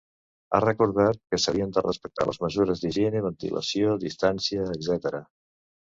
Ha recordat que s’havien de respectar les mesures d’higiene, ventilació, distància, etcètera.